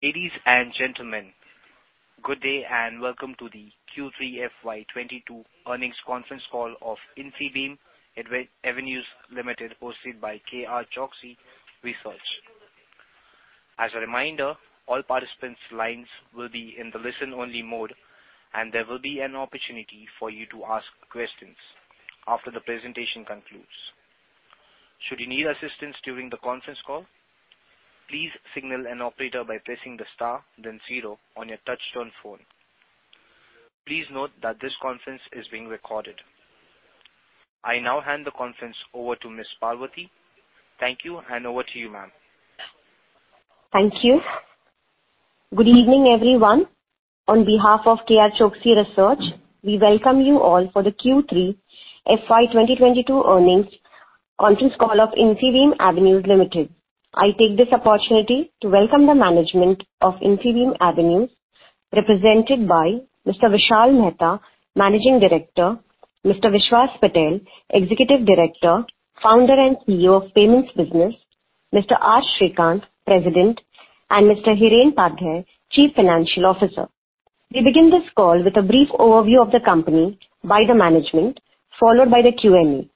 Ladies and gentlemen, good day and welcome to the Q3 FY 2022 earnings conference call of Infibeam Avenues Limited, hosted by K.R. Choksey Research. As a reminder, all participants' lines will be in the listen-only mode, and there will be an opportunity for you to ask questions after the presentation concludes. Should you need assistance during the conference call, please signal an operator by pressing the star then zero on your touchtone phone. Please note that this conference is being recorded. I now hand the conference over to Ms. Parvati. Thank you and over to you, ma'am. Thank you. Good evening, everyone. On behalf of K.R. Choksey Research, we welcome you all for the Q3 FY 2022 earnings conference call of Infibeam Avenues Limited. I take this opportunity to welcome the management of Infibeam Avenues, represented by Mr. Vishal Mehta, Managing Director, Mr. Vishwas Patel, Executive Director, Founder, and CEO of Payments Business, Mr. R. Srikanth, President, and Mr. Hiren Padhya, Chief Financial Officer. We begin this call with a brief overview of the company by the management, followed by the Q&A.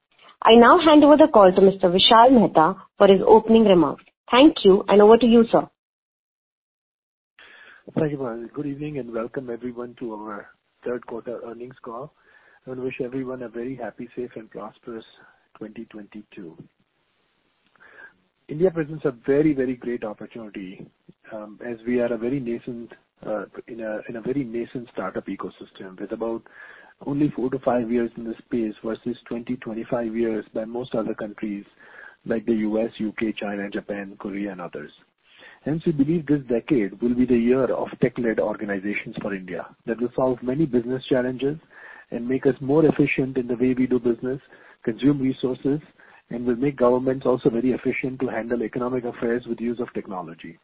I now hand over the call to Mr. Vishal Mehta for his opening remarks. Thank you and over to you, sir. Thank you, Parvati. Good evening and welcome everyone to our earnings call. I wanna wish everyone a very happy, safe and prosperous 2022. India presents a very, very great opportunity, as we are in a very nascent startup ecosystem with about only four to five s in this space versus 20-25 years by most other countries like the U.S., U.K., China, Japan, Korea and others. We believe this decade will be the year of tech-led organizations for India that will solve many business challenges and make us more efficient in the way we do business, consume resources, and will make governments also very efficient to handle economic affairs with use of technology.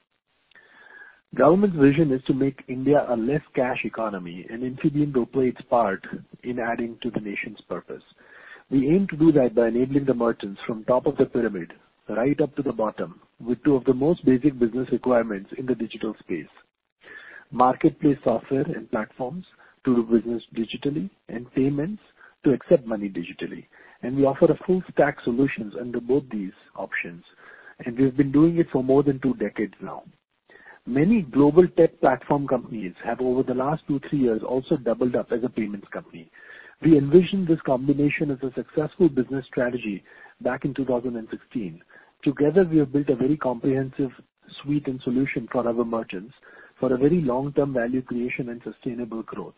Government's vision is to make India a less cash economy, and Infibeam will play its part in adding to the nation's purpose. We aim to do that by enabling the merchants from top of the pyramid right up to the bottom with two of the most basic business requirements in the digital space, marketplace software and platforms to do business digitally and payments to accept money digitally. We offer a full stack solutions under both these options, and we've been doing it for more than 2 decades now. Many global tech platform companies have over the last two-years also doubled up as a payments company. We envisioned this combination as a successful business strategy back in 2016. Together, we have built a very comprehensive suite and solution for our merchants for a very long-term value creation and sustainable growth.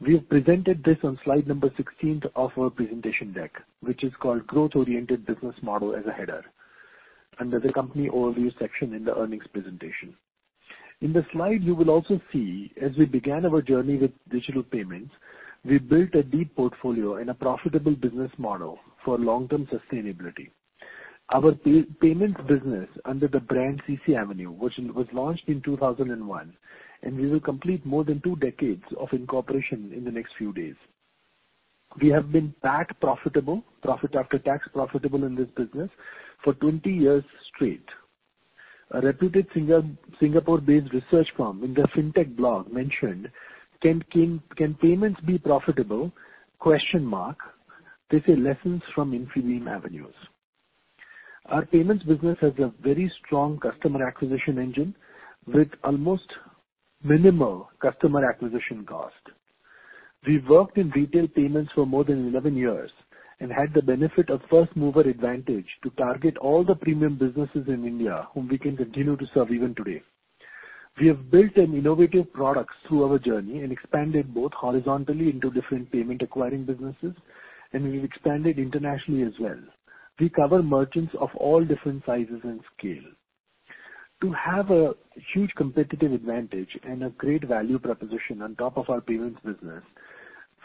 We have presented this on slide number 16 of our presentation deck, which is called Growth-Oriented Business Model as a header under the Company Overview section in the earnings presentation. In the slide, you will also see, as we began our journey with digital payments, we built a deep portfolio and a profitable business model for long-term sustainability. Our payments business under the brand CCAvenue, which was launched in 2001, and we will complete more than 2 decades of incorporation in the next few days. We have been PAT profitable, profit after tax profitable in this business for 20 years straight. A reputed Singapore-based research firm in their fintech blog mentioned, "Can payments be profitable?" They say, "Lessons from Infibeam Avenues." Our payments business has a very strong customer acquisition engine with almost minimal customer acquisition cost. We worked in retail payments for more than 11 years and had the benefit of first mover advantage to target all the premium businesses in India whom we can continue to serve even today. We have built an innovative products through our journey and expanded both horizontally into different payment acquiring businesses and we've expanded internationally as well. We cover merchants of all different sizes and scale. To have a huge competitive advantage and a great value proposition on top of our payments business,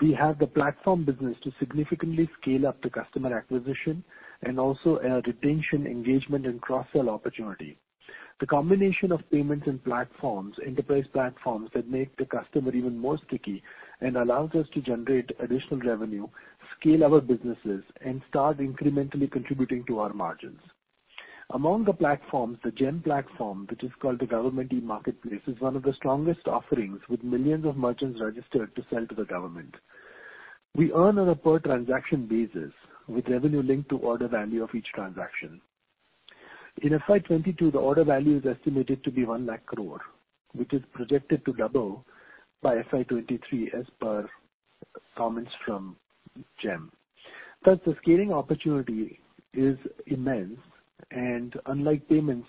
we have the platform business to significantly scale up the customer acquisition and also a retention, engagement and cross-sell opportunity. The combination of payments and platforms, enterprise platforms that make the customer even more sticky and allows us to generate additional revenue, scale our businesses and start incrementally contributing to our margins. Among the platforms, the GeM platform, which is called the Government e Marketplace, is one of the strongest offerings with millions of merchants registered to sell to the government. We earn on a per transaction basis with revenue linked to order value of each transaction. In FY 2022, the order value is estimated to be 1 lakh crore, which is projected to double by FY 2023 as per comments from GeM. Thus, the scaling opportunity is immense, and unlike payments,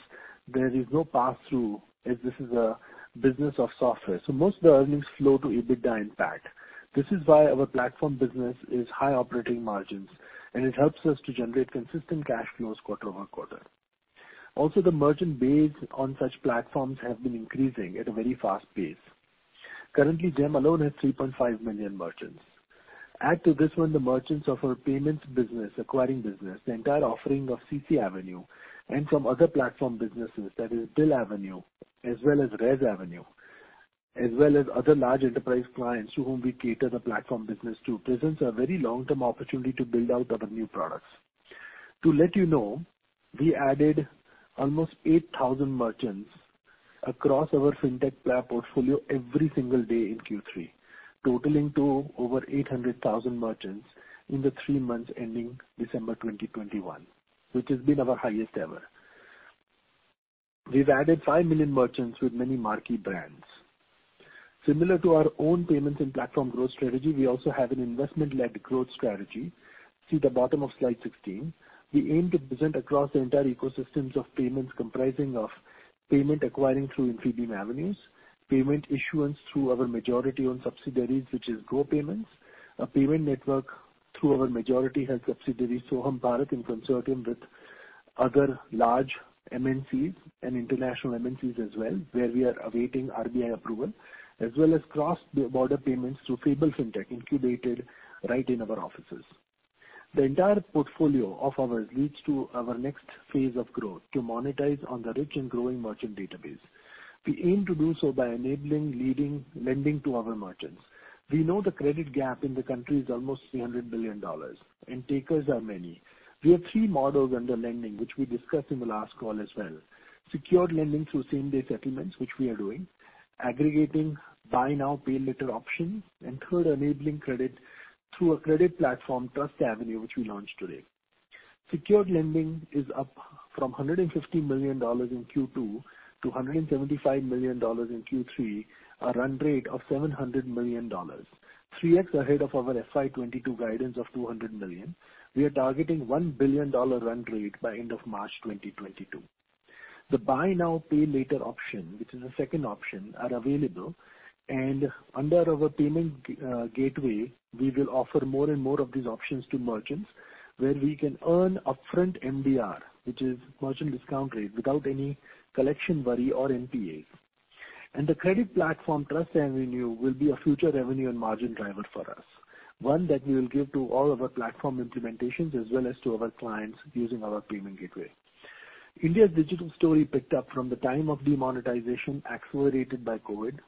there is no passthrough as this is a business of software, so most of the earnings flow to EBITDA and PAT. This is why our platform business is high operating margins, and it helps us to generate consistent cash flows quarter-over-quarter. Also, the merchant base on such platforms have been increasing at a very fast pace. Currently, GeM alone has 3.5 million merchants. Add to this one the merchants of our payments business, acquiring business, the entire offering of CCAvenue and from other platform businesses, that is BillAvenue as well as ResAvenue, as well as other large enterprise clients to whom we cater the platform business to presents a very long-term opportunity to build out our new products. To let you know, we added almost 8,000 merchants across our Fintech platform portfolio every single day in Q3, totaling to over 800,000 merchants in the three months ending December 2021, which has been our highest ever. We've added 5 million merchants with many marquee brands. Similar to our own payments and platform growth strategy, we also have an investment-led growth strategy. See the bottom of slide 16. We aim to present across the entire ecosystems of payments comprising of payment acquiring through Infibeam Avenues, payment issuance through our majority-owned subsidiaries, which is Go Payments, a payment network through our majority-held subsidiary, So Hum Bharat, in consortium with other large MNCs and international MNCs as well, where we are awaiting RBI approval, as well as cross-border payments through Fable Fintech, incubated right in our offices. The entire portfolio of ours leads to our next phase of growth to monetize on the rich and growing merchant database. We aim to do so by enabling leading lending to our merchants. We know the credit gap in the country is almost $300 billion, and takers are many. We have three models under lending, which we discussed in the last call as well. Secured lending through same-day settlements, which we are doing. Aggregating buy now, pay later options. Third, enabling credit through a credit platform, TrustAvenue, which we launched today. Secured lending is up from $150 million in Q2 to $175 million in Q3, a run rate of $700 million, 3x ahead of our FY 2022 guidance of $200 million. We are targeting $1 billion run rate by end of March 2022. The buy now, pay later option, which is the second option, are available, and under our payment gateway, we will offer more and more of these options to merchants where we can earn upfront MDR, which is merchant discount rate, without any collection worry or NPAs. The credit platform, TrustAvenue, will be a future revenue and margin driver for us, one that we will give to all of our platform implementations as well as to our clients using our payment gateway. India's digital story picked up from the time of demonetization, accelerated by COVID,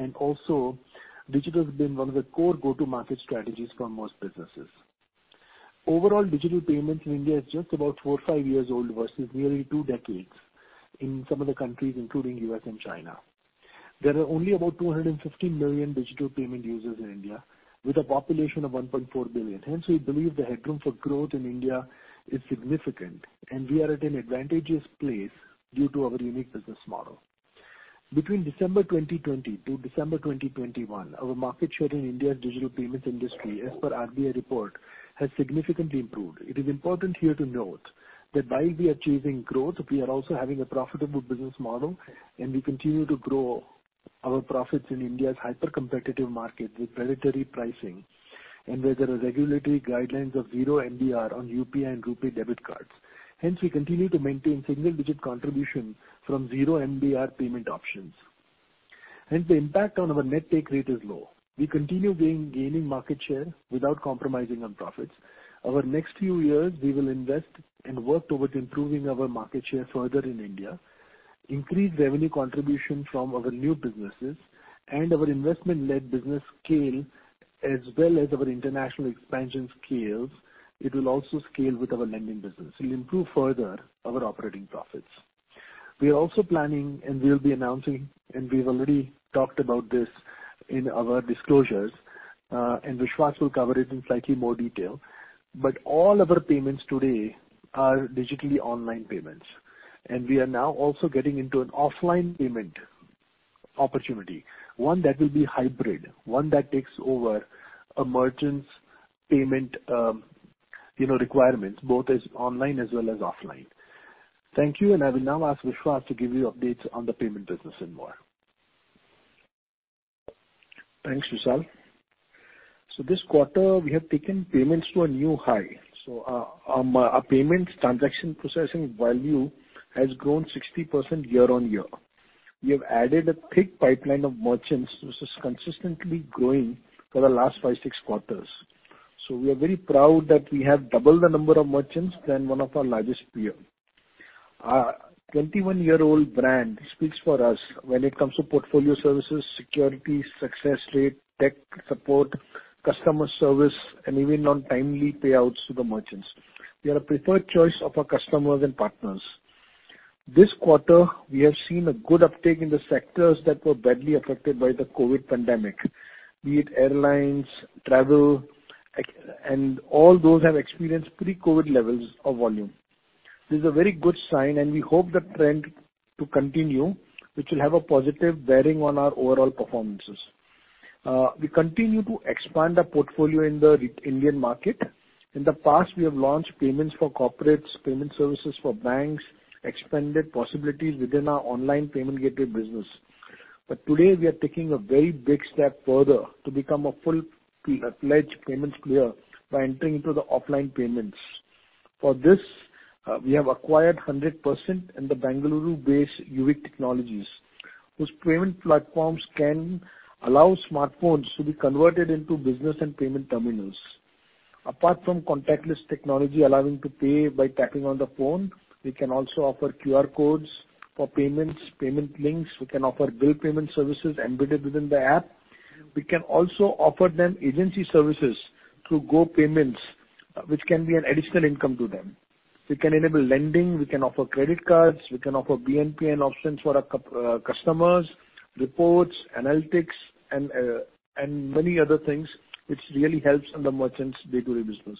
and also digital has been one of the core go-to-market strategies for most businesses. Overall, digital payments in India is just about four-five years old, versus nearly two decades in some of the countries, including U.S. and China. There are only about 250 million digital payment users in India, with a population of 1.4 billion. Hence, we believe the headroom for growth in India is significant, and we are at an advantageous place due to our unique business model. Between December 2020 to December 2021, our market share in India's digital payments industry, as per RBI report, has significantly improved. It is important here to note that while we are achieving growth, we are also having a profitable business model, and we continue to grow our profits in India's hyper-competitive market with predatory pricing and where there are regulatory guidelines of zero MDR on UPI and RuPay debit cards. Hence, we continue to maintain single-digit contribution from zero MDR payment options. Hence, the impact on our net take rate is low. We continue gaining market share without compromising on profits. Our next few years, we will invest and work towards improving our market share further in India, increase revenue contribution from our new businesses, and our investment-led business scale, as well as our international expansion scales. It will also scale with our lending business. It will improve further our operating profits. We are also planning, and we'll be announcing, and we've already talked about this in our disclosures, and Vishwas will cover it in slightly more detail. All our payments today are digitally online payments, and we are now also getting into an offline payment opportunity, one that will be hybrid, one that takes over a merchant's payment requirements, both as online as well as offline. Thank you, and I will now ask Vishwas to give you updates on the payment business and more. Thanks, Vishal. This quarter, we have taken payments to a new high. Our payments transaction processing value has grown 60% year-on-year. We have added a thick pipeline of merchants which is consistently growing for the last 5, 6 quarters. We are very proud that we have doubled the number of merchants than one of our largest peer. Our 21-year-old brand speaks for us when it comes to portfolio services, security, success rate, tech support, customer service and even on timely payouts to the merchants. We are a preferred choice of our customers and partners. This quarter, we have seen a good uptake in the sectors that were badly affected by the COVID pandemic, be it airlines, travel, and all those have experienced pre-COVID levels of volume. This is a very good sign, and we hope the trend to continue, which will have a positive bearing on our overall performances. We continue to expand our portfolio in the Indian market. In the past, we have launched payments for corporates, payment services for banks, expanded possibilities within our online payment gateway business. Today, we are taking a very big step further to become a full-fledged payments player by entering into the offline payments. For this, we have acquired 100% in the Bengaluru-based Uvik Technologies, whose payment platforms can allow smartphones to be converted into business and payment terminals. Apart from contactless technology allowing to pay by tapping on the phone, we can also offer QR codes for payments, payment links. We can offer bill payment services embedded within the app. We can also offer them agency services through Go Payments, which can be an additional income to them. We can enable lending, we can offer credit cards, we can offer BNPL options for our customers, reports, analytics, and many other things which really helps in the merchants day-to-day business.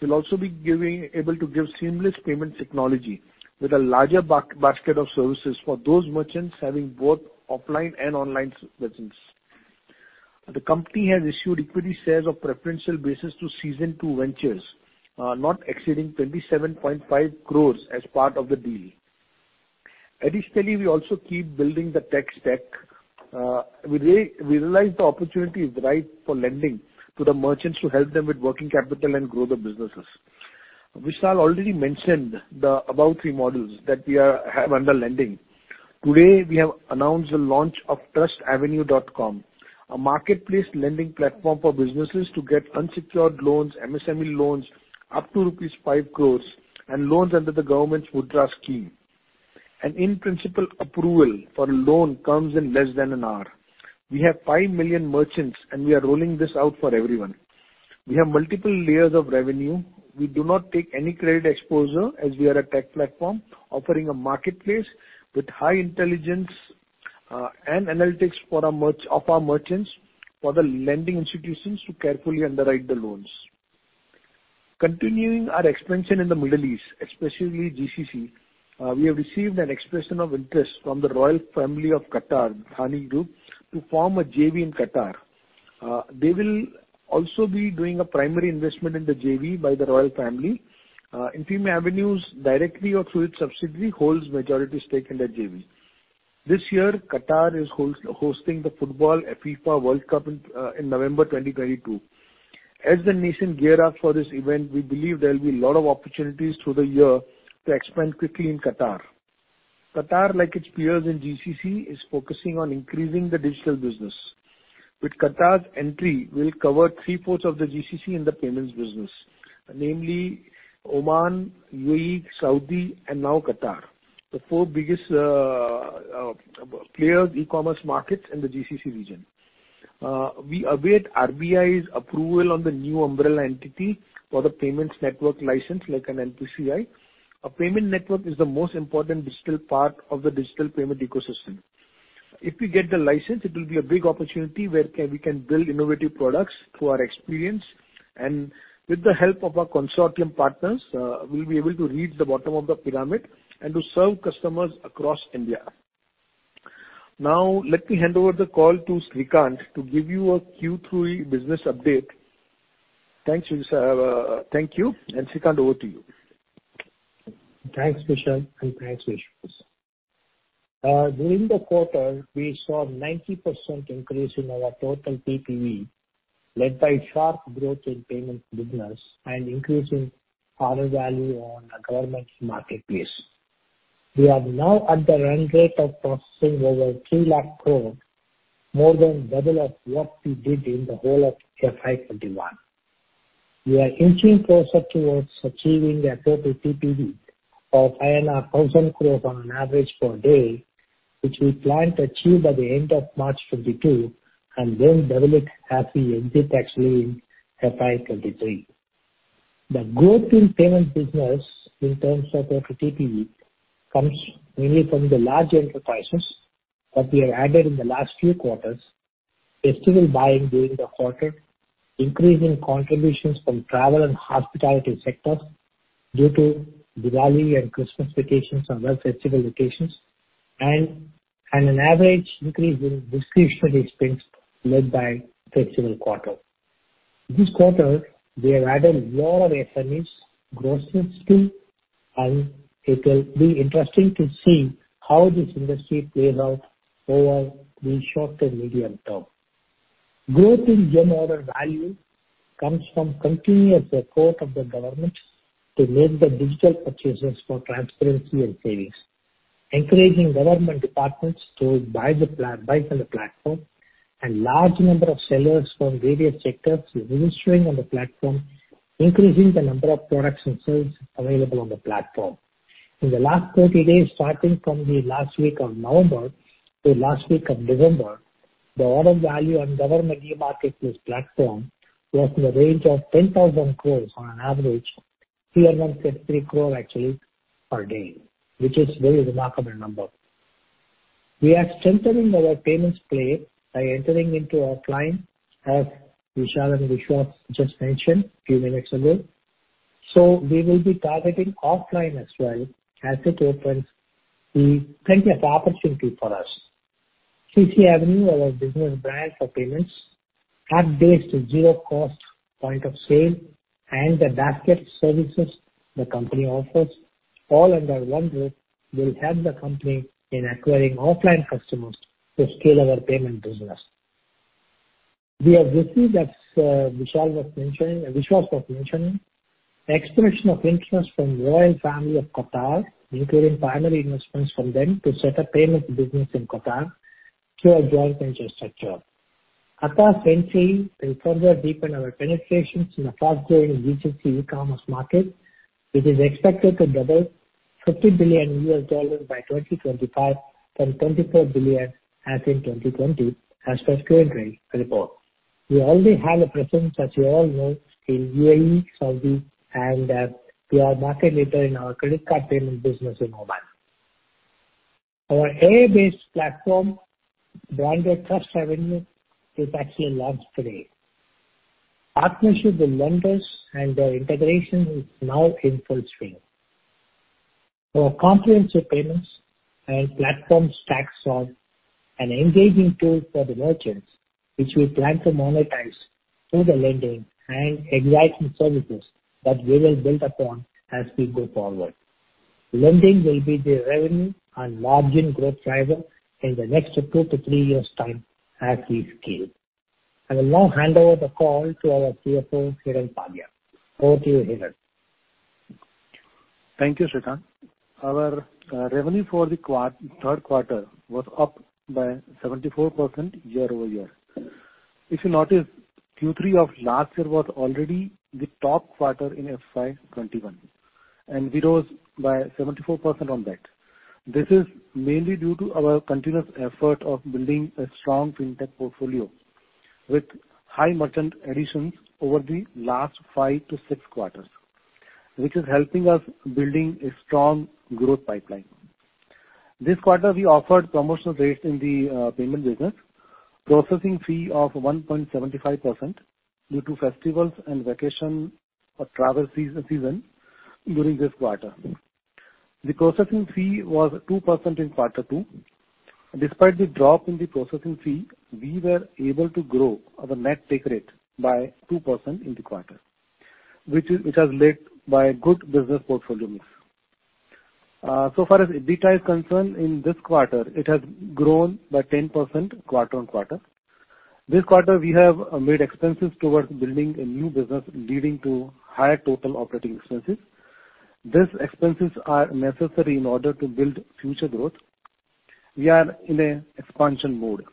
We'll also be able to give seamless payment technology with a larger basket of services for those merchants having both offline and online presence. The company has issued equity shares on preferential basis to Season Two Ventures, not exceeding 27.5 crores as part of the deal. Additionally, we also keep building the tech stack. We realized the opportunity is right for lending to the merchants to help them with working capital and grow their businesses. Vishal already mentioned the above three models that we have under lending. Today, we have announced the launch of trustavenue.com, a marketplace lending platform for businesses to get unsecured loans, MSME loans up to 5 crores rupees and loans under the government's MUDRA scheme. An in-principle approval for loan comes in less than an hour. We have 5 million merchants, and we are rolling this out for everyone. We have multiple layers of revenue. We do not take any credit exposure as we are a tech platform offering a marketplace with high intelligence and analytics for our merchants for the lending institutions to carefully underwrite the loans. Continuing our expansion in the Middle East, especially GCC, we have received an expression of interest from the royal family of Qatar, Al Thani Group, to form a JV in Qatar. They will also be doing a primary investment in the JV by the royal family. Infibeam Avenues directly or through its subsidiary holds majority stake in the JV. This year, Qatar is hosting the FIFA World Cup in November 2022. As the nation gears up for this event, we believe there will be a lot of opportunities through the year to expand quickly in Qatar. Qatar, like its peers in GCC, is focusing on increasing the digital business. With Qatar's entry, we'll cover three-fourths of the GCC in the payments business, namely Oman, UAE, Saudi, and now Qatar. The four biggest e-commerce markets in the GCC region. We await RBI's approval on the new umbrella entity for the payments network license like an NPCI. A payment network is the most important digital part of the digital payment ecosystem. If we get the license, it will be a big opportunity where we can build innovative products through our experience. With the help of our consortium partners, we'll be able to reach the bottom of the pyramid and to serve customers across India. Now, let me hand over the call to Srikanth to give you a Q3 business update. Thank you, sir. Thank you. Srikanth, over to you. Thanks, Vishal, and thanks, Vishwas. During the quarter, we saw 90% increase in our total TPV, led by sharp growth in payments business and increase in order value on the government marketplace. We are now at the run rate of processing over 3 lakh crore, more than double of what we did in the whole of FY 2021. We are inching closer towards achieving a total TPV of INR 1,000 crore on an average per day, which we plan to achieve by the end of March 2022, and then double it as we exit actually in FY 2023. The growth in payment business in terms of our TPV comes mainly from the large enterprises that we have added in the last few quarters, festival buying during the quarter, increasing contributions from travel and hospitality sectors due to Diwali and Christmas vacations and other festival vacations. An average increase in discretionary spends led by festival quarter. This quarter, we have added a lot of SMEs, grocery still, and it will be interesting to see how this industry plays out over the short and medium term. Growth in GeM order value comes from continuous support of the government to make the digital purchases for transparency and savings, encouraging government departments to buy from the platform, and large number of sellers from various sectors registering on the platform, increasing the number of products and services available on the platform. In the last 30 days, starting from the last week of November to last week of December, the order value on Government e-Marketplace platform was in the range of 10,000 crores on an average, 363 crore actually per day, which is very remarkable number. We are strengthening our payments play by entering into offline, as Vishal and Vishwas just mentioned few minutes ago. We will be targeting offline as well as it opens the plenty of opportunity for us. CCAvenue, our business brand for payments, app-based zero cost point of sale and the basket services the company offers all under one roof, will help the company in acquiring offline customers to scale our payment business. We have received, as Vishal and Vishwas mentioned, expressions of interest from royal family of Qatar, including primary investments from them to set up payment business in Qatar through a joint venture structure. Qatar's entry will further deepen our penetrations in the fast-growing GCC e-commerce market, which is expected to double to $50 billion by 2025 from $24 billion in 2020, as per Kearney report. We already have a presence, as you all know, in UAE, Saudi and we are market leader in our credit card payment business in Oman. Our AI-based platform, branded TrustAvenue, is actually launched today. Partnership with lenders and their integration is now in full swing. Our comprehensive payments and platform stacks on an engaging tool for the merchants, which we plan to monetize through the lending and adjacent services that we will build upon as we go forward. Lending will be the revenue and margin growth driver in the next two to three years' time as we scale. I will now hand over the call to our CFO, Hiren Padhya. Over to you, Hiren. Thank you, Srikanth. Our revenue for the was up by 74% year-over-year. If you notice, Q3 of last year was already the top quarter in FY 2021, and we rose by 74% on that. This is mainly due to our continuous effort of building a strong fintech portfolio with high merchant additions over the last 5 to 6 quarters, which is helping us building a strong growth pipeline. This quarter, we offered promotional rates in the payment business, processing fee of 1.75% due to festivals and vacation or travel season during this quarter. The processing fee was 2% in quarter 2. Despite the drop in the processing fee, we were able to grow our net take rate by 2% in the quarter, which was led by good business portfolios. As far as EBITDA is concerned, in this quarter it has grown by 10% quarter-on-quarter. This quarter we have made expenses towards building a new business, leading to higher total operating expenses. These expenses are necessary in order to build future growth. We are in an expansion mode.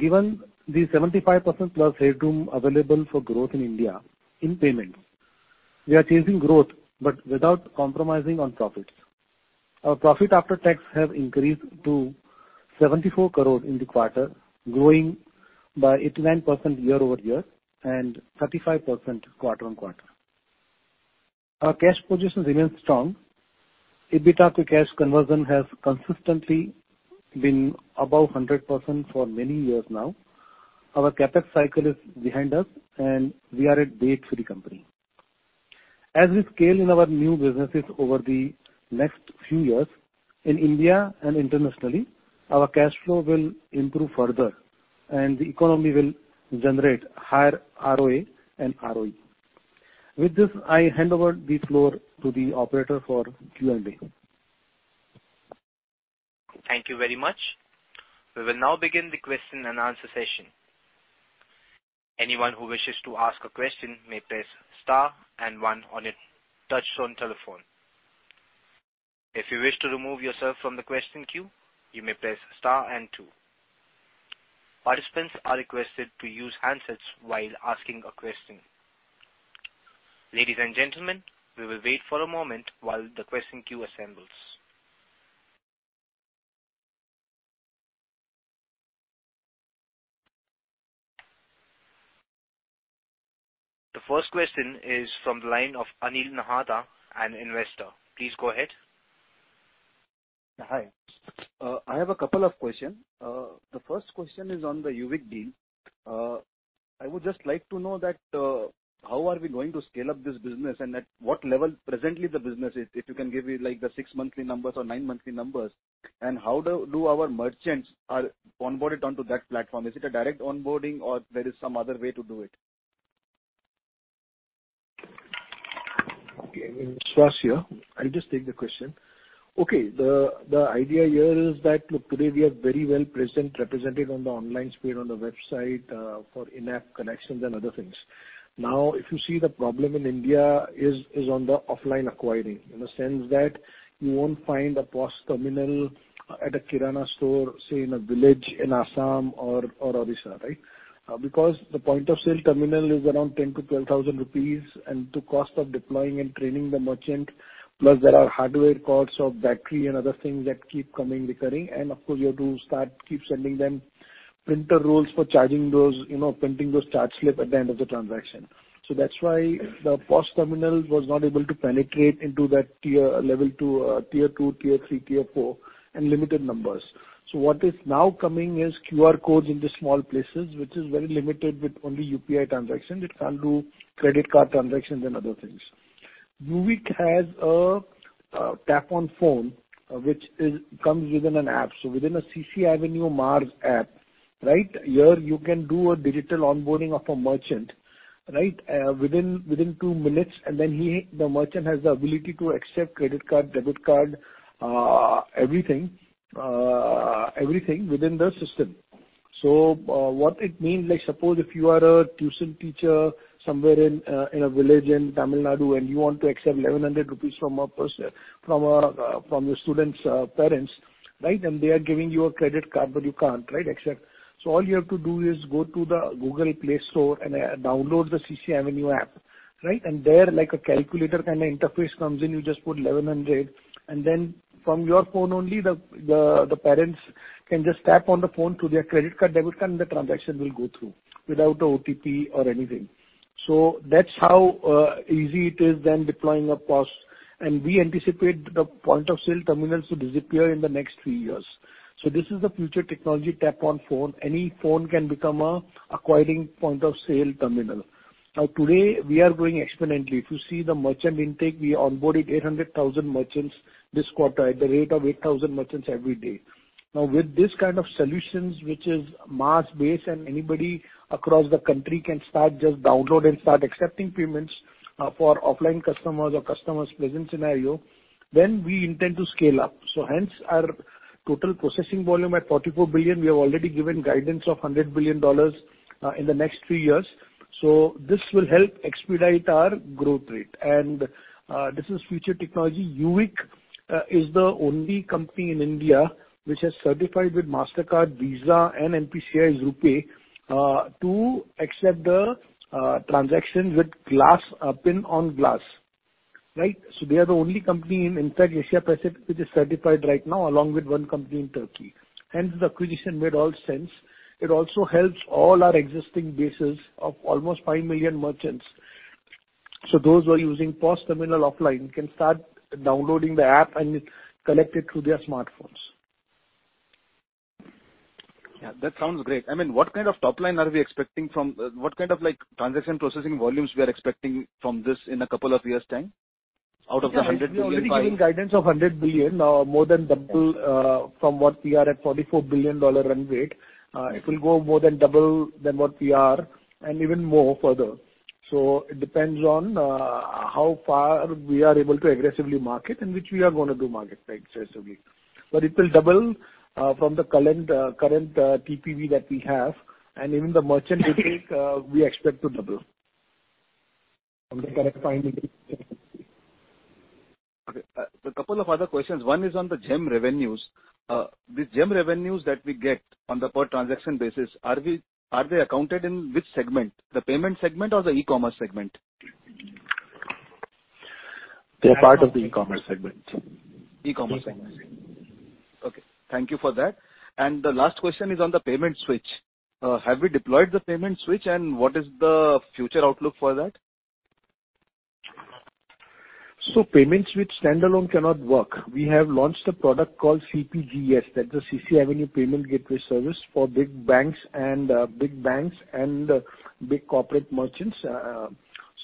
Given the 75%+ headroom available for growth in India in payment, we are chasing growth, but without compromising on profits. Our profit after tax have increased to 74 crore in the quarter, growing by 89% year-over-year and 35% quarter-on-quarter. Our cash position remains strong. EBITDA to cash conversion has consistently been above 100% for many years now. Our CapEx cycle is behind us, and we are at base for the company. As we scale in our new businesses over the next few years in India and internationally, our cash flow will improve further, and the economy will generate higher ROA and ROE. With this, I hand over the floor to the operator for Q&A. The first question is from the line of Anil Nahata, an investor. Please go ahead. Hi. I have a couple of questions. The first question is on the Uvik deal. I would just like to know that, how are we going to scale up this business and at what level presently the business is? If you can give me, like, the 6-monthly numbers or 9-monthly numbers. How do our merchants are onboarded onto that platform? Is it a direct onboarding or there is some other way to do it? Okay. Shash here. I'll just take the question. Okay. The idea here is that look, today we are very well represented on the online space, on the website, for in-app connections and other things. Now, if you see the problem in India is on the offline acquiring, in the sense that you won't find a POS terminal at a kirana store, say, in a village in Assam or Odisha, right? Because the point-of-sale terminal is around 10 thousand-12 thousand rupees, and the cost of deploying and training the merchant, plus there are hardware costs of battery and other things that keep recurring. Of course, you have to keep sending them printer rolls for charging those printing those charge slip at the end of the transaction. That's why the POS terminal was not able to penetrate into that tier two, tier three, tier four, in limited numbers. What is now coming is QR codes into small places, which is very limited with only UPI transactions. It can't do credit card transactions and other things. Uvik has a Tap on Phone, which comes within an app. Within a CCAvenue M.A.R.S. app, right? Here you can do a digital onboarding of a merchant, right, within two minutes, and then he, the merchant has the ability to accept credit card, debit card, everything within the system. What it means, like suppose if you are a tuition teacher somewhere in a village in Tamil Nadu, and you want to accept 1,100 rupees from your student's parents, right? They are giving you a credit card, but you can't, right, accept. All you have to do is go to the Google Play Store and download the CCAvenue app, right? There, like a calculator kind of interface comes in. You just put 1,100. Then from your phone only, the parents can just tap on the phone to their credit card, debit card, and the transaction will go through without the OTP or anything. That's how easy it is then deploying a POS. We anticipate the point of sale terminals to disappear in the next three years. This is the future technology, Tap on Phone. Any phone can become an acquiring point of sale terminal. Now, today we are growing exponentially. If you see the merchant intake, we onboarded 800,000 merchants this quarter at the rate of 8,000 merchants every day. Now, with this kind of solutions, which is mass-based and anybody across the country can start, just download and start accepting payments, for offline customers or customer-present scenario, then we intend to scale up. Hence our total processing volume at $44 billion. We have already given guidance of $100 billion in the next three years. This will help expedite our growth rate. This is future technology. Uvik is the only company in India which has certified with Mastercard, Visa and NPCI's RuPay to accept the transaction with glass PIN on Glass, right? They are the only company in entire Asia Pacific which is certified right now, along with one company in Turkey. Hence, the acquisition made all sense. It also helps all our existing bases of almost 5 million merchants. Those who are using POS terminal offline can start downloading the app and collect it through their smartphones. Yeah, that sounds great. I mean, what kind of, like, transaction processing volumes we are expecting from this in a couple of years' time out of the 100 billion- Yeah. We've already given guidance of $100 billion, more than double, from what we are at $44 billion run rate. It will go more than double than what we are and even more further. It depends on how far we are able to aggressively market and which we are gonna do market, right, aggressively. It will double from the current TPV that we have and even the merchant intake we expect to double from the current 5 million. Okay. A couple of other questions. One is on the GeM revenues. These GeM revenues that we get on the per transaction basis, are they accounted in which segment, the payment segment or the e-commerce segment? They're part of the e-commerce segment. E-commerce segment. Okay, thank you for that. The last question is on the payment switch. Have we deployed the payment switch, and what is the future outlook for that? Payment switch standalone cannot work. We have launched a product called CPGS. That's the CCAvenue Payment Gateway Service for big banks and big corporate merchants.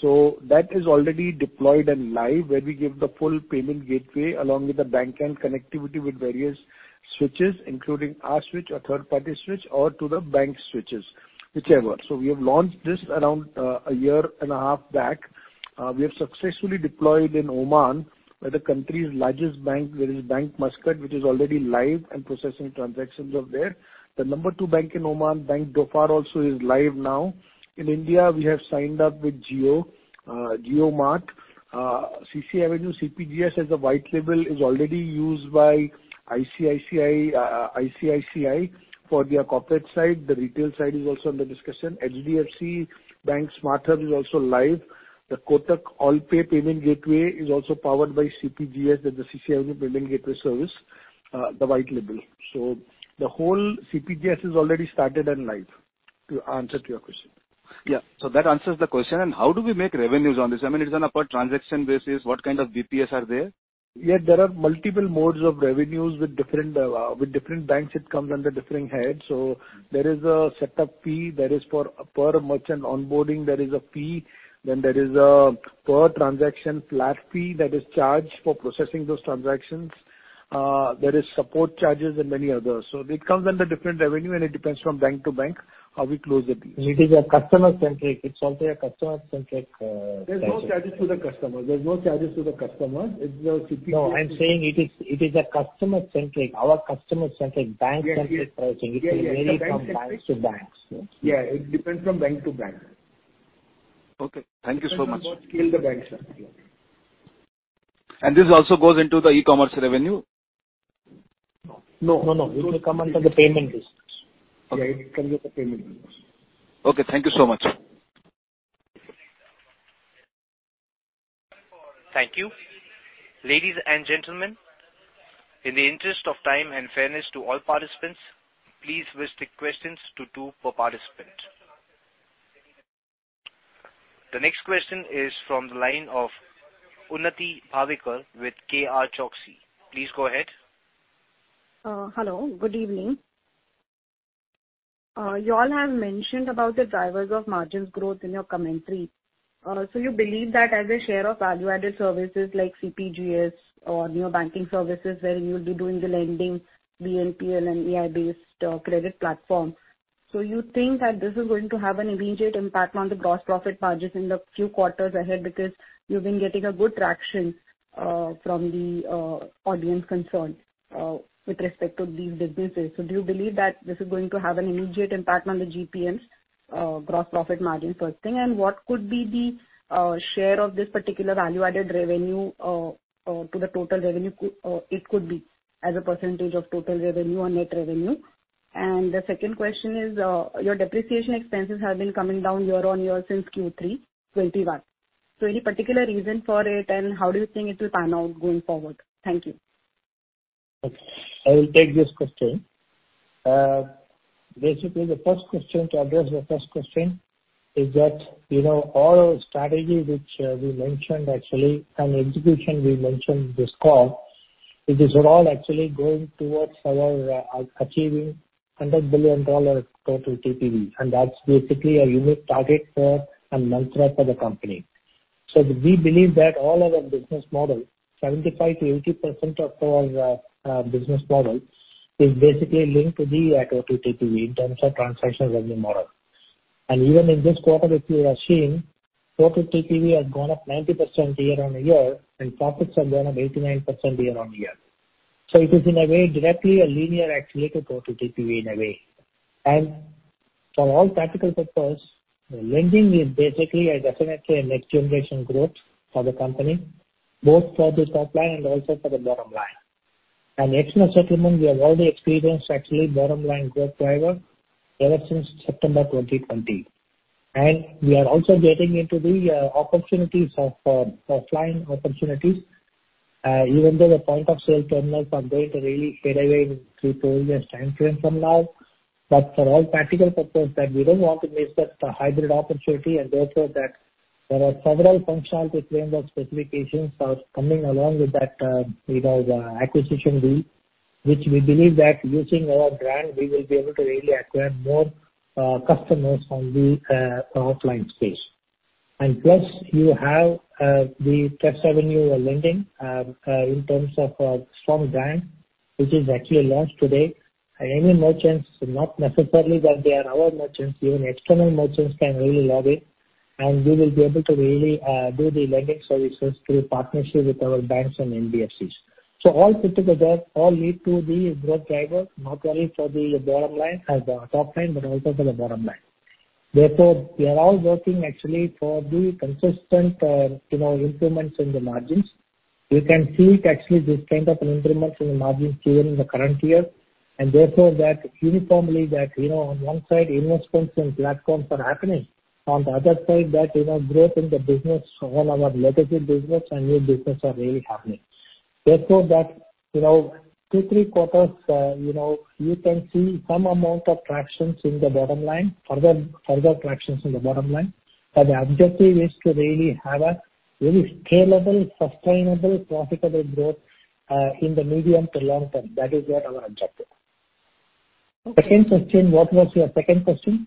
That is already deployed and live, where we give the full payment gateway along with the bank end connectivity with various switches, including our switch or third party switch or to the bank switches, whichever. We have launched this around a year and a half back. We have successfully deployed in Oman with the country's largest bank. There is Bank Muscat, which is already live and processing transactions there. The number two bank in Oman, Bank Dhofar, also is live now. In India, we have signed up with Jio JioMart. CCAvenue CPGS as a white label is already used by ICICI for their corporate side. The retail side is also under discussion. HDFC Bank SmartHub is also live. The Kotak AllPay payment gateway is also powered by CPGS. That's the CCAvenue Payment Gateway Service, the white label. The whole CPGS is already started and live, to answer your question. Yeah. That answers the question. How do we make revenues on this? I mean, it's on a per transaction basis. What kind of TPVs are there? Yeah. There are multiple modes of revenues with different banks, it comes under different heads. There is a setup fee, there is for per merchant onboarding, there is a fee. Then there is a per transaction flat fee that is charged for processing those transactions. There is support charges and many others. It comes under different revenue and it depends from bank to bank, how we close the deals. It is a customer-centric. It's also a customer-centric strategy. There's no charges to the customer. It's the CP- No, I'm saying it is a customer-centric. Our customer-centric bank-centric pricing. Yeah, yeah. It will vary from banks to banks. Yeah. It depends from bank to bank. Okay, thank you so much. Depends on what scale the banks are. This also goes into the e-commerce revenue? No. No, no. It will come under the payment business. Okay. Yeah, it comes with the payment business. Okay, thank you so much. Thank you. Ladies and gentlemen, in the interest of time and fairness to all participants, please restrict questions to two per participant. The next question is from the line of Unnati Jadhav with KRChoksey. Please go ahead. Hello, good evening. You all have mentioned about the drivers of margins growth in your commentary. You believe that as a share of value-added services like CPGS or new banking services where you'll be doing the lending via PL and AI-based credit platform. You think that this is going to have an immediate impact on the gross profit margins in the few quarters ahead because you've been getting a good traction from the audience concerned with respect to these businesses. Do you believe that this is going to have an immediate impact on the GPMs? Gross profit margin first thing, and what could be the share of this particular value-added revenue to the total revenue? It could be as a percentage of total revenue on net revenue. The second question is, your depreciation expenses have been coming down year on year since Q3 2021. Any particular reason for it, and how do you think it will pan out going forward? Thank you. I will take this question. Basically, to address the first question is that all our strategy which we mentioned actually and execution we mentioned this call, it is all actually going towards our achieving $100 billion total TPV, and that's basically a unique target for and mantra for the company. We believe that all our business model, 75%-80% of our business model is basically linked to the total TPV in terms of transactions revenue model. Even in this quarter, if you have seen, total TPV has gone up 90% year-on-year and profits have gone up 89% year-on-year. It is in a way directly a linear accelerator total TPV in a way. For all practical purposes, lending is basically definitely a next generation growth for the company, both for the top line and also for the bottom line. External settlement, we have already experienced actually bottom line growth driver ever since September 2020. We are also getting into the opportunities of offline opportunities. Even though the point of sale terminals are going to really fade away in three-four years time frame from now, but for all practical purposes that we don't want to miss that hybrid opportunity, and therefore that there are several functionality framework of specifications are coming along with that acquisition deal, which we believe that using our brand, we will be able to really acquire more customers on the offline space. Plus you have the TrustAvenue lending in terms of strong brand, which is actually launched today. Any merchants, not necessarily that they are our merchants, even external merchants can really log in, and we will be able to really do the lending services through partnership with our banks and NBFCs. All put together lead to the growth driver, not only for the bottom line or the top line, but also for the bottom line. Therefore, we are all working actually for the consistent improvements in the margins. You can see it actually this kind of an improvement in the margins even in the current year, and therefore that uniformly on one side investments and platforms are happening, on the other side growth in the business, all our legacy business and new business are really happening. therefore 2, 3 quarters you can see some amount of tractions in the bottom line, further tractions in the bottom line. The objective is to really have a really scalable, sustainable, profitable growth in the medium to long term. That is what our objective. Okay. Second question. What was your second question?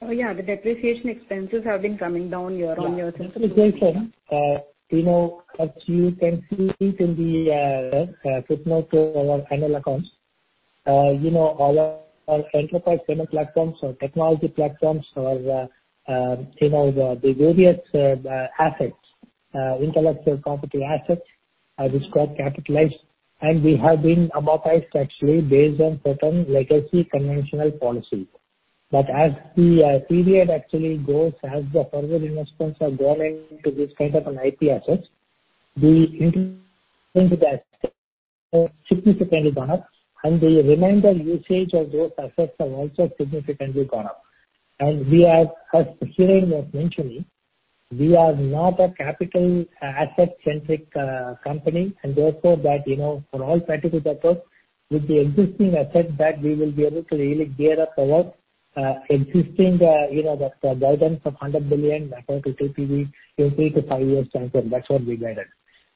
Oh, yeah, the depreciation expenses have been coming down year-on-year. Yeah. depreciation as you can see it in the footnote to our annual accounts all our enterprise payment platforms or technology platforms or the various assets, intellectual property assets, which got capitalized and have been amortized actually based on certain legacy conventional policy. But as the period actually goes, as the further investments are going into this kind of an IP assets, they have significantly gone up and the remaining usage of those assets have also significantly gone up. We are, as Hiren was mentioning, not a capital asset-centric company. Therefore that for all practical purposes with the existing assets that we will be able to really gear up our existing the guidance of 100 billion total TPV in three-five years timeframe. That's what we guided.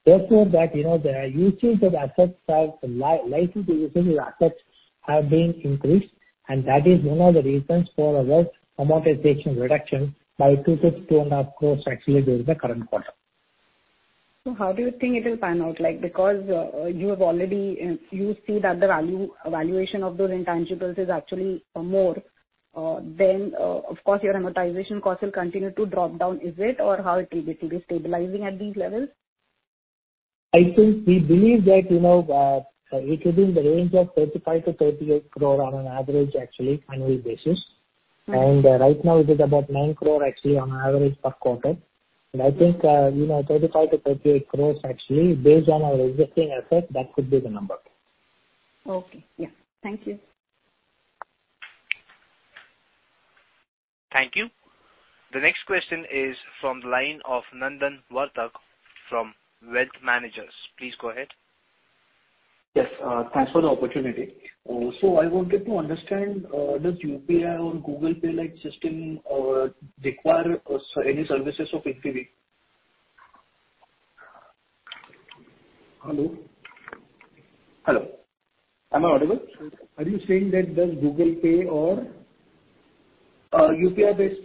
Therefore that the useful life and usage of assets have been increased, and that is one of the reasons for our amortization reduction by 2-2.5 crores actually during the current quarter. How do you think it will pan out? Like, because, you have already, you see that the value, valuation of those intangibles is actually more, than, of course, your amortization cost will continue to drop down. Is it or how it will be? It will be stabilizing at these levels? I think we believe that it could be in the range of 35 crore-38 crore on an average actually annual basis. Mm. Right now it is about 9 crore actually on average per quarter. I think 35 crore-38 crore actually based on our existing assets, that could be the number. Okay. Yeah. Thank you. Thank you. The next question is from the line of Nandan Vartak from Wealth Managers. Please go ahead. Yes. Thanks for the opportunity. I wanted to understand, does UPI or Google Pay like system require any services of Infibeam? Hello? Hello, am I audible? Are you saying that does Google Pay or? UPI-based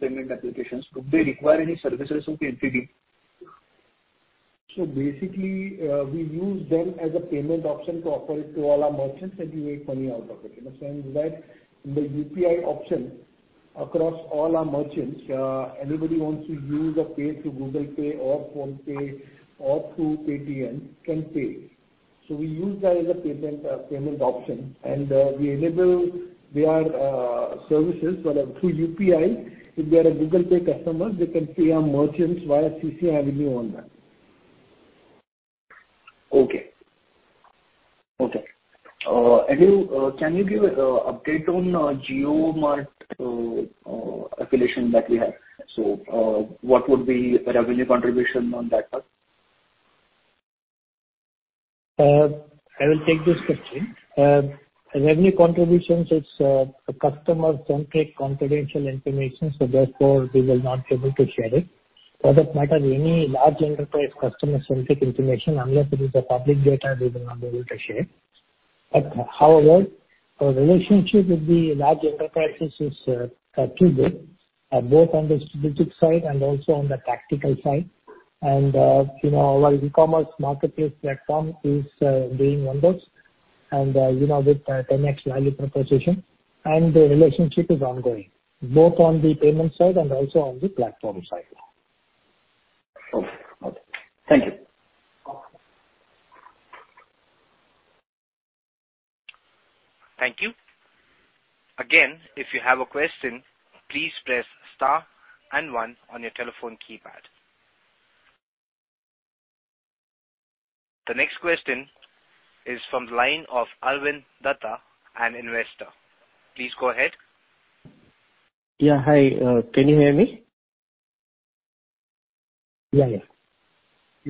payment applications, do they require any services of Infibeam? Basically, we use them as a payment option to offer it to all our merchants, and we make money out of it. I'm saying that the UPI option Across all our merchants, anybody who wants to use or pay through Google Pay or PhonePe or through Paytm can pay. We use that as a payment option, and we enable their services through UPI. If they're a Google Pay customer, they can pay our merchants via CCAvenue on that. Okay. Can you give a update on JioMart affiliation that we have? What would be revenue contribution on that part? I will take this question. Revenue contributions is a customer-centric confidential information, so therefore we will not be able to share it. For that matter, any large enterprise customer-centric information, unless it is a public data, we will not be able to share. However, our relationship with the large enterprises is pretty good, both on the strategic side and also on the tactical side. You know, our e-commerce marketplace platform is doing wonders and you know with 10X value proposition, and the relationship is ongoing, both on the payment side and also on the platform side. Okay. Okay. Thank you. Thank you. Again, if you have a question, please press star and one on your telephone keypad. The next question is from the line of Arvind Datta, an investor. Please go ahead. Yeah. Hi. Can you hear me? Yeah. Yeah.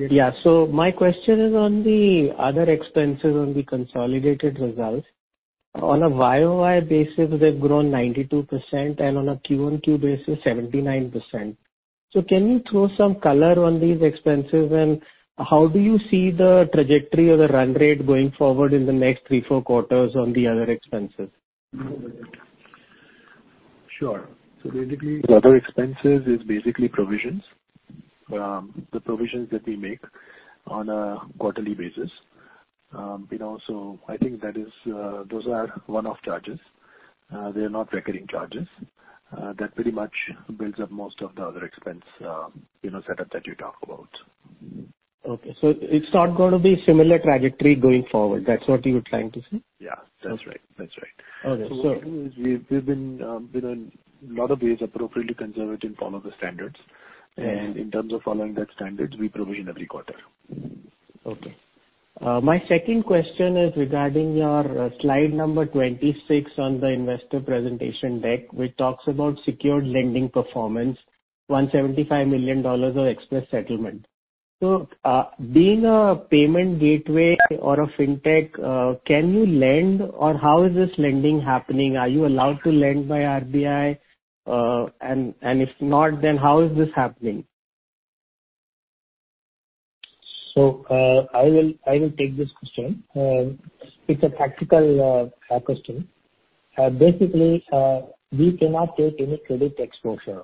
Yeah. My question is on the other expenses on the consolidated results. On a YOY basis, they've grown 92%, and on a QOQ basis, 79%. Can you throw some color on these expenses? And how do you see the trajectory or the run rate going forward in the next three, four quarters on the other expenses? Sure. Basically, the other expenses is basically provisions, the provisions that we make on a quarterly basis. You know, I think those are one-off charges. They're not recurring charges. That pretty much builds up most of the other expense setup that you talk about. Okay. It's not gonna be similar trajectory going forward. That's what you're trying to say? Yeah. That's right. Okay. What we do is we've been in a lot of ways appropriately conservative in all of the standards. Yeah. In terms of following those standards, we provision every quarter. Okay. My second question is regarding your slide number 26 on the investor presentation deck, which talks about secured lending performance, $175 million of express settlement. Being a payment gateway or a fintech, can you lend or how is this lending happening? Are you allowed to lend by RBI? And if not, then how is this happening? I will take this question. It's a tactical question. Basically, we cannot take any credit exposure,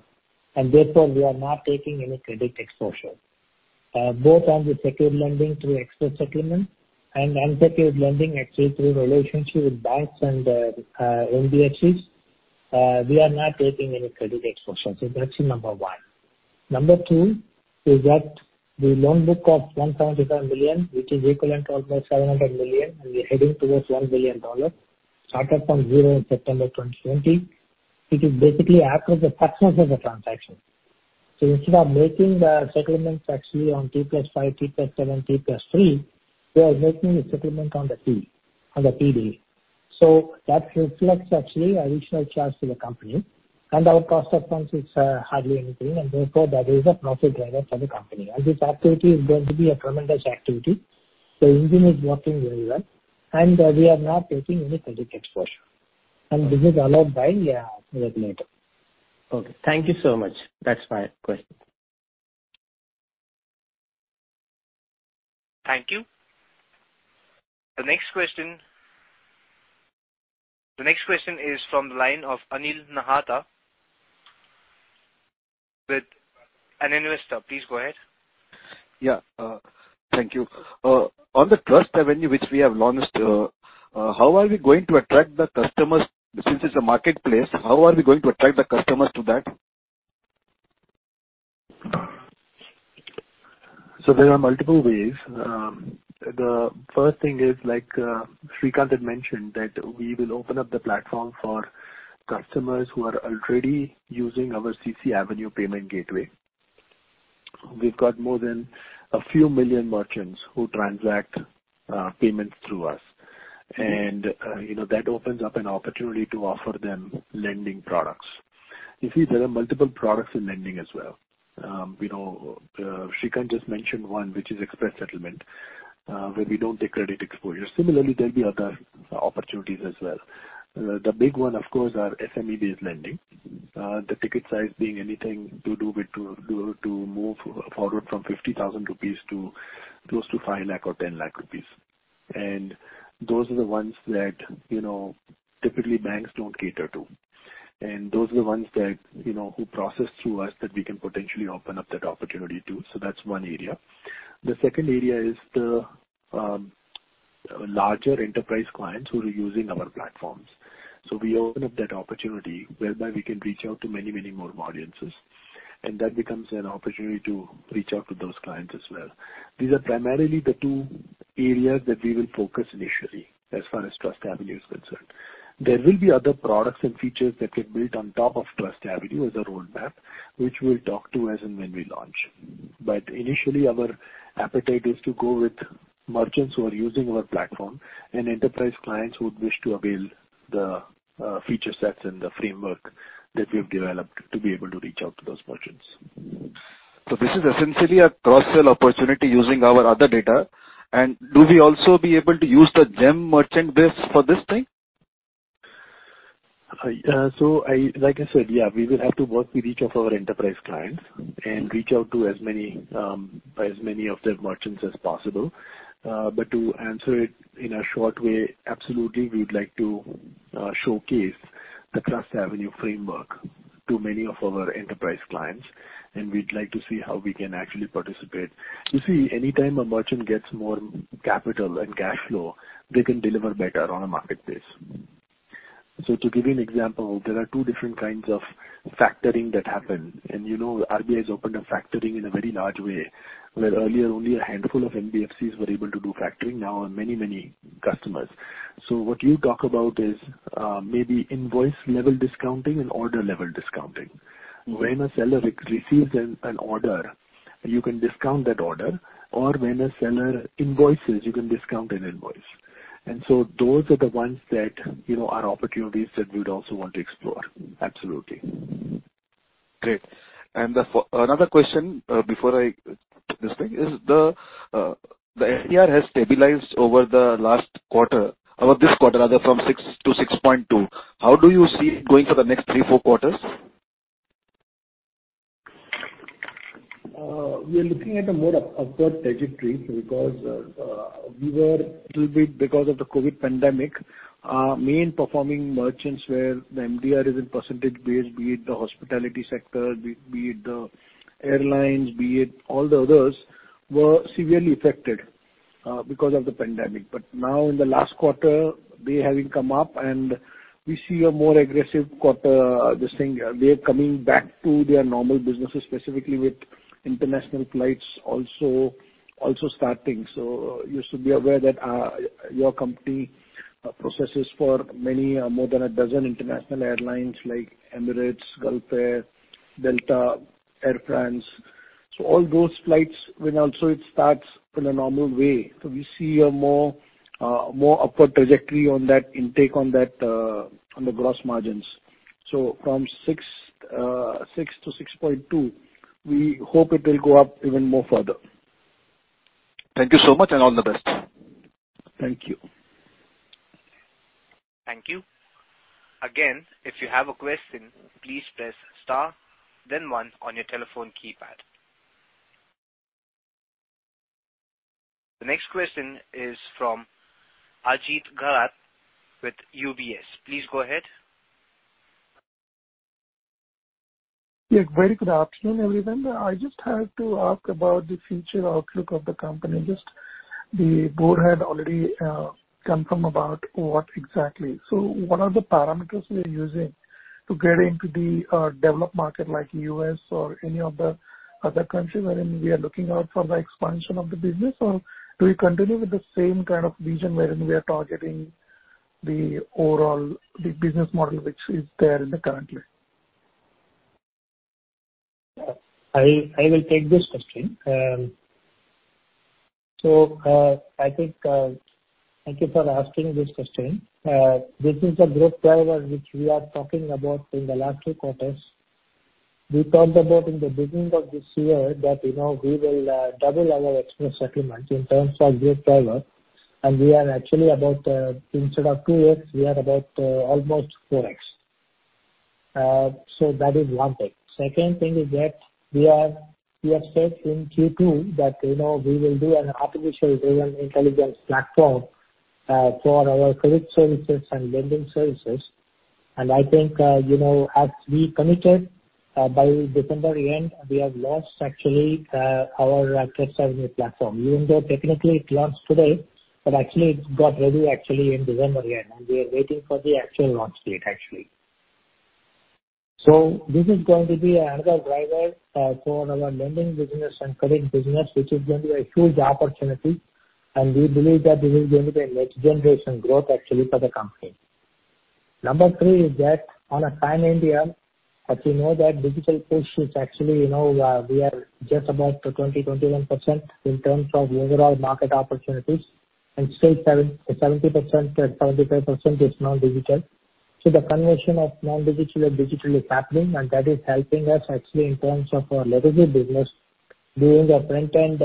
and therefore we are not taking any credit exposure, both on the secured lending through express settlement and unsecured lending actually through relationship with banks and NBFCs. We are not taking any credit exposure. That's number one. Number two is that the loan book of $175 million, which is equivalent to almost 700 million, and we're heading towards $1 billion, started from zero in September 2020. It is basically after the purchase of the transaction. Instead of making the settlements actually on T+5, T+7, T+3, we are making the settlement on the T day. That reflects actually additional charge to the company. Our cost of funds is hardly anything, and therefore that is a profit driver for the company. This activity is going to be a tremendous activity. The engine is working very well, and we are not taking any credit exposure. This is allowed by our regulator. Okay. Thank you so much. That's my question. Thank you. The next question is from the line of Anil Nahata with an investor. Please go ahead. Yeah. Thank you. On the TrustAvenue which we have launched, how are we going to attract the customers? Since it's a marketplace, how are we going to attract the customers to that? There are multiple ways. The first thing is, like, Srikanth had mentioned, that we will open up the platform for customers who are already using our CCAvenue payment gateway. We've got more than a few million merchants who transact payments through us. You know, that opens up an opportunity to offer them lending products. You see, there are multiple products in lending as well. You know, Srikanth just mentioned one, which is express settlement where we don't take credit exposure. Similarly, there'll be other opportunities as well. The big one, of course, are SME-based lending. The ticket size being anything to do with to move forward from 50,000 rupees to close to 5 lakh or 10 lakh rupees. Those are the ones that typically banks don't cater to. Those are the ones that who process through us that we can potentially open up that opportunity to. That's one area. The second area is the Larger enterprise clients who are using our platforms. We open up that opportunity whereby we can reach out to many, many more audiences, and that becomes an opportunity to reach out to those clients as well. These are primarily the two areas that we will focus initially, as far as TrustAvenue is concerned. There will be other products and features that get built on top of TrustAvenue as a roadmap, which we'll talk to as and when we launch. Initially, our appetite is to go with merchants who are using our platform and enterprise clients who would wish to avail the feature sets and the framework that we've developed to be able to reach out to those merchants. This is essentially a cross-sell opportunity using our other data. Do we also be able to use the GeM merchant base for this thing? Like I said, we will have to work with each of our enterprise clients and reach out to as many of their merchants as possible. To answer it in a short way, absolutely, we'd like to showcase the TrustAvenue framework to many of our enterprise clients, and we'd like to see how we can actually participate. You see, anytime a merchant gets more capital and cash flow, they can deliver better on a marketplace. To give you an example, there are two different kinds of factoring that happen. You know, RBI has opened up factoring in a very large way where earlier only a handful of NBFCs were able to do factoring, now many, many customers. What you talk about is maybe invoice-level discounting and order-level discounting. When a seller receives an order, you can discount that order or when a seller invoices, you can discount an invoice. Those are the ones that are opportunities that we'd also want to explore. Absolutely. Great. Another question. Is the MDR has stabilized over the last quarter, over this quarter rather, from 6%-6.2%. How do you see it going for the next 3, 4 quarters? We are looking at a more upward trajectory because we were little bit because of the COVID pandemic, our main performing merchants where the MDR is in percentage base, be it the hospitality sector, be it the airlines, be it all the others, were severely affected because of the pandemic. Now in the last quarter, they having come up and we see a more aggressive quarter. The thing, they are coming back to their normal businesses, specifically with international flights also starting. You should be aware that your company processes for many more than a dozen international airlines like Emirates, Gulf Air, Delta, Air France. All those flights when also it starts in a normal way, so we see a more upward trajectory on that intake on that on the gross margins. From 6 to 6.2, we hope it will go up even more further. Thank you so much, and all the best. Thank you. Thank you. Again, if you have a question, please press star then one on your telephone keypad. The next question is from Ajit Ghate with UBS. Please go ahead. Yeah. Very good afternoon, everyone. I just had to ask about the future outlook of the company. What are the parameters we are using to get into the developed market like U.S. or any of the other countries wherein we are looking out for the expansion of the business? Or do we continue with the same kind of vision wherein we are targeting the overall business model which is there in the country? I will take this question. I think, thank you for asking this question. This is a growth driver which we are talking about in the last two quarters. We talked about in the beginning of this year that we will double our expense settlement in terms of growth driver. We are actually about, instead of 2X, we are about almost 4X. That is one thing. Second thing is that we have said in Q2 that we will do an AI-driven intelligence platform for our credit services and lending services. I think as we committed, by December end, we have launched actually, our TrustAvenue platform, even though technically it launched today, but actually it got ready actually in December end, and we are waiting for the actual launch date actually. This is going to be another driver, for our lending business and credit business, which is going to be a huge opportunity, and we believe that this is going to be a next generation growth actually for the company. Number three is that on Digital India, as you know that digital push, which actually we are just about 20%-21% in terms of the overall market opportunities, and still 70%-75% is non-digital. The conversion of non-digital to digital is happening, and that is helping us actually in terms of our legacy business doing a front-end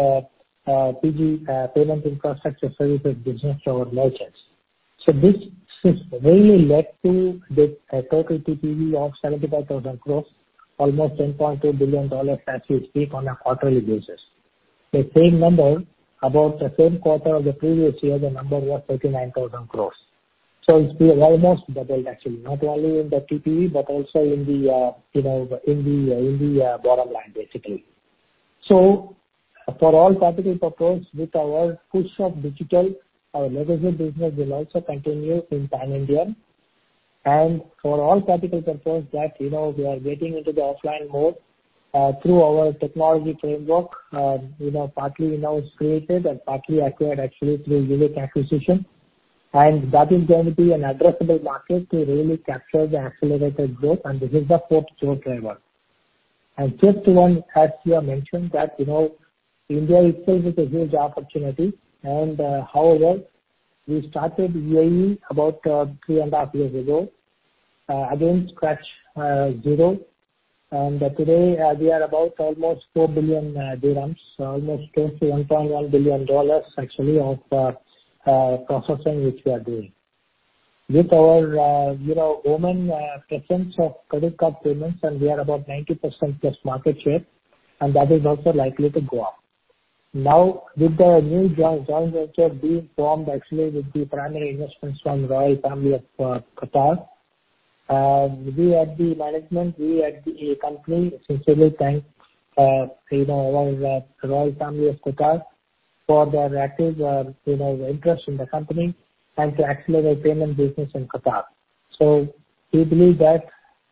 PG payment infrastructure services business for merchants. This has really led to the total TPV of 75,000 crore, almost $10.2 billion as we speak on a quarterly basis. The same number, about the same quarter of the previous year, the number was 39,000 crore. It's been almost doubled actually, not only in the TPV but also in the bottom line, basically. For all practical purposes, with our push of digital, our legacy business will also continue in pan-India. For all practical purposes that we are getting into the offline mode through our technology framework partly now it's created and partly acquired actually through Uvik acquisition. That is going to be an addressable market to really capture the accelerated growth, and this is the fourth growth driver. Just one as we have mentioned that India itself is a huge opportunity and however, we started in UAE about three and a half years ago, again from scratch, zero. Today, we are about almost 4 billion dirhams, almost close to $1.1 billion actually of processing which we are doing. With our Oman presence of credit card payments and we are about 90%+ market share, and that is also likely to go up. Now, with the new joint venture being formed actually with the primary investments from Royal Family of Qatar, we at the management, we at the company sincerely thank you know our Royal Family of Qatar for their active you know interest in the company and to accelerate payment business in Qatar. We believe that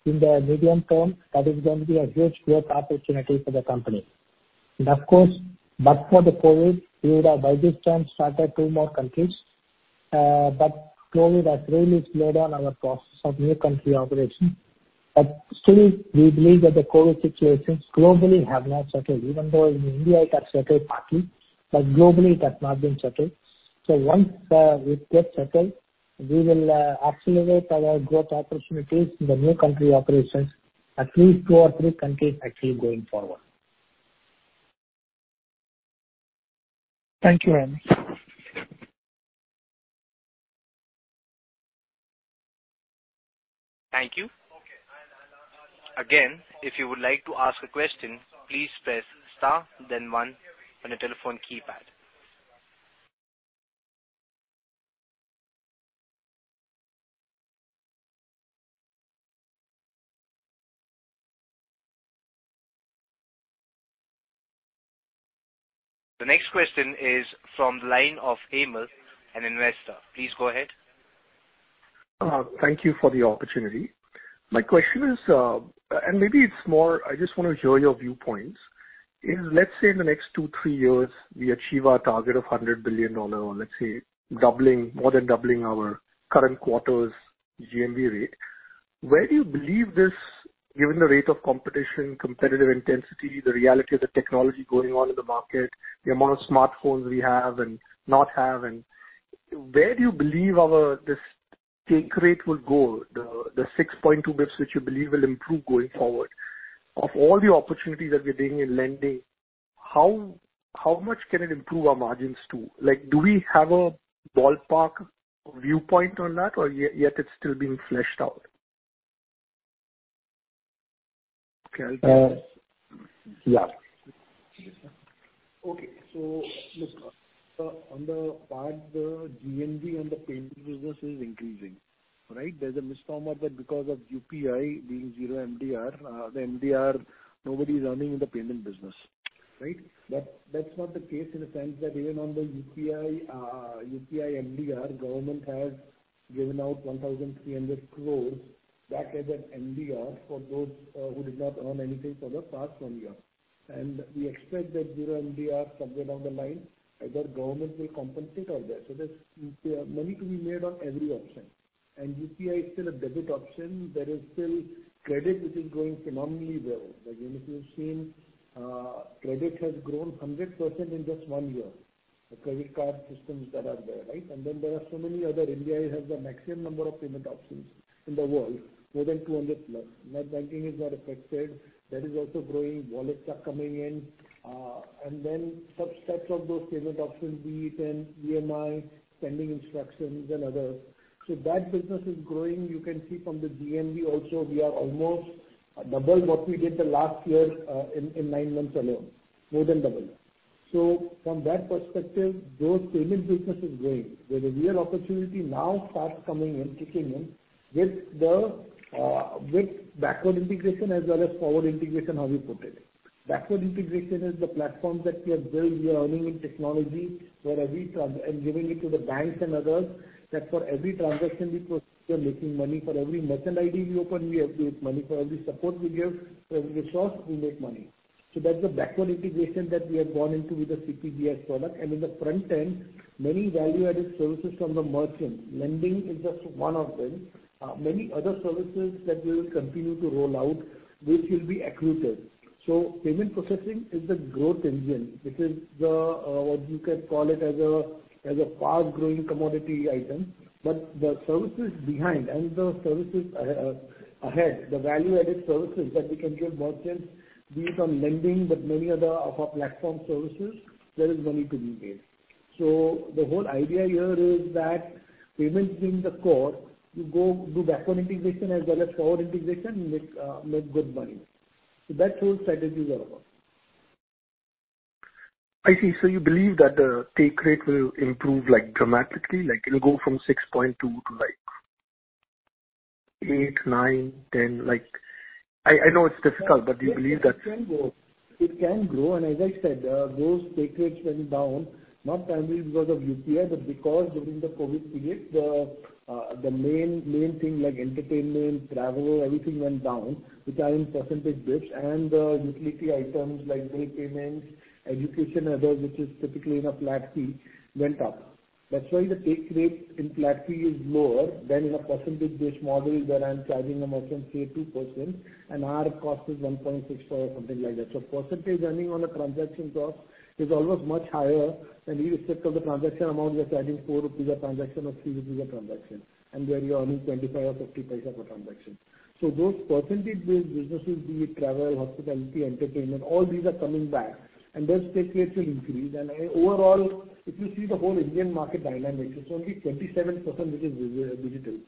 in the medium term, that is going to be a huge growth opportunity for the company. Of course, but for the COVID, we would have by this time started two more countries. COVID has really slowed down our process of new country operations. Still, we believe that the COVID situations globally have now settled, even though in India it has settled partly, but globally it has not been settled. Once it gets settled, we will accelerate our growth opportunities in the new country operations, at least two or three countries actually going forward. Thank you, Ramesh. Thank you. Again, if you would like to ask a question, please press star then one on your telephone keypad. The next question is from the line of Emil, an investor. Please go ahead. Thank you for the opportunity. My question is, and maybe it's more I just wanna hear your viewpoints, is let's say in the next two, three years we achieve our target of $100 billion or let's say doubling, more than doubling our current quarter's GMV rate. Where do you believe this, given the rate of competition, competitive intensity, the reality of the technology going on in the market, the amount of smartphones we have and not have, and where do you believe our this take rate will go? The 6.2 basis points which you believe will improve going forward. Of all the opportunities that we are doing in lending, how much can it improve our margins too? Like, do we have a ballpark viewpoint on that or yet it's still being fleshed out? Yeah. Okay. Look, on the part, the GMV and the payment business is increasing, right? There's a misnomer that because of UPI being zero MDR, the MDR, nobody is earning in the payment business, right? That's not the case in the sense that even on the UPI MDR, government has given out 1,300 crore back as an MDR for those who did not earn anything for the past one year. We expect that zero MDR somewhere down the line, either government will compensate all that. There's money to be made on every option. UPI is still a debit option. There is still credit which is growing phenomenally well. Like, I mean, if you have seen, credit has grown 100% in just one year, the credit card systems that are there, right? There are so many other. India has the maximum number of payment options in the world, more than 200+. Net banking is not affected. That is also growing. Wallets are coming in. And then subsets of those payment options be it then EMI, spending instructions and others. That business is growing. You can see from the GMV also, we are almost double what we did the last year, in nine months alone. More than double. From that perspective, growth payment business is growing. Where the real opportunity now starts coming in, kicking in with the, with backward integration as well as forward integration, how we put it. Backward integration is the platform that we have built. We are earning in technology where every trans. Giving it to the banks and others, that for every transaction we process, we are making money. For every merchant ID we open, we make money. For every support we give, for every resource, we make money. That's the backward integration that we have gone into with the CPGS product. In the front end, many value-added services from the merchant. Lending is just one of them. Many other services that we will continue to roll out, which will be accretive. Payment processing is the growth engine, which is a fast-growing commodity item. The services behind and the services ahead, the value-added services that we can give merchants based on lending, but many other of our platform services, there is money to be made. The whole idea here is that payments being the core, you go do backward integration as well as forward integration, you make good money. That's the whole strategy we are about. I see. You believe that the take rate will improve like dramatically, like it'll go from 6.2% to like 8%, 9%, 10%, like. I know it's difficult, but do you believe that It can grow, as I said, those take rates went down, not primarily because of UPI, but because during the COVID period, the main thing like entertainment, travel, everything went down, which are in percentage-based, and the utility items like bill payments, education, other, which is typically in a flat fee, went up. That's why the take rate in flat fee is lower than in a percentage-based model where I'm charging them often say 2% and our cost is 1.64, something like that. Percentage earning on a transaction cost is always much higher than irrespective of the transaction amount, we are charging 4 rupees a transaction or 3 rupees a transaction, and where you're earning 25 or 50 paise per transaction. Those percentage-based businesses, be it travel, hospitality, entertainment, all these are coming back and those take rates will increase. Overall, if you see the whole Indian market dynamics, it's only 27% which is digital.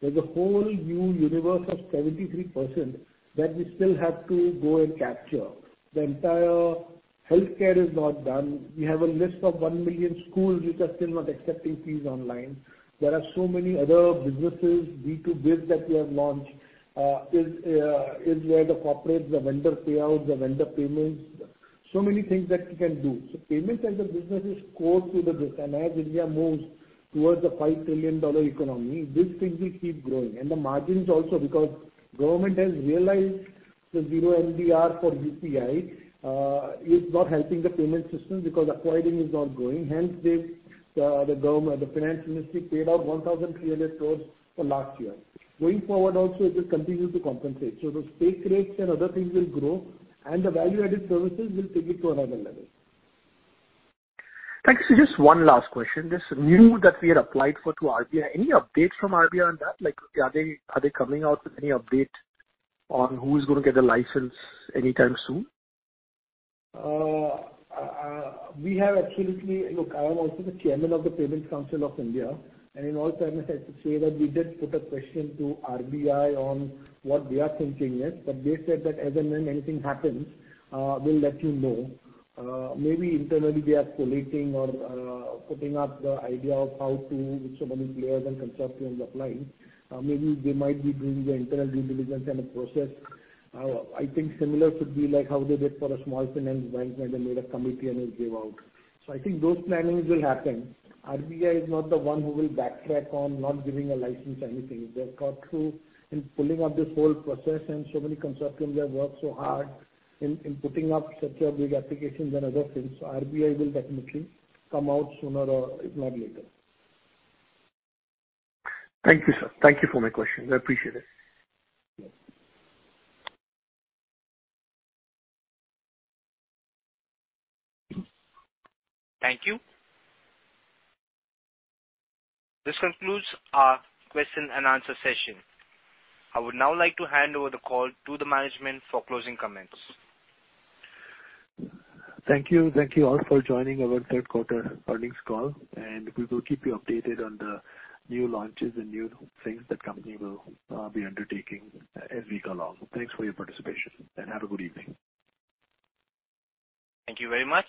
There's a whole new universe of 73% that we still have to go and capture. The entire healthcare is not done. We have a list of 1 million schools which are still not accepting fees online. There are so many other businesses, B2Bs, that we have launched, where the corporates, the vendor payouts, the vendor payments, so many things that we can do. Payment as a business is core to the growth. As India moves towards a $5 trillion economy, this thing will keep growing. The margins also, because the government has realized the zero MDR for UPI is not helping the payment system because acquiring is not growing. Hence, the finance ministry paid out 1,300 crores for last year. Going forward also, it will continue to compensate. Those take rates and other things will grow and the value-added services will take it to another level. Thank you. Just one last question. This NUE that we had applied for to RBI, any update from RBI on that? Like are they coming out with any update on who's gonna get the license anytime soon? We have absolutely. Look, I am also the chairman of the Payments Council of India, and in all fairness, I have to say that we did put a question to RBI on what they are thinking is, but they said that as and when anything happens, we'll let you know. Maybe internally they are collating or putting up the idea of how to with so many players and consortiums applying. Maybe they might be doing the internal due diligence and the process. I think similar should be like how they did for a Small Finance Bank where they made a committee and it gave out. I think those plannings will happen. RBI is not the one who will backtrack on not giving a license or anything. They've got through in pulling up this whole process and so many consortiums have worked so hard in putting up such a big applications and other things. RBI will definitely come out sooner or if not later. Thank you, sir. Thank you for my questions. I appreciate it. Yes. Thank you. This concludes our question and answer session. I would now like to hand over the call to the management for closing comments. Thank you. Thank you all for joining our earnings call, and we will keep you updated on the new launches and new things the company will be undertaking as we go along. Thanks for your participation and have a good evening. Thank you very much.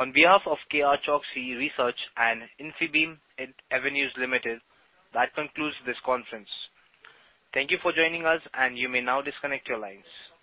On behalf of K.R. Choksey Research and Infibeam Avenues Limited, that concludes this conference. Thank you for joining us and you may now disconnect your lines.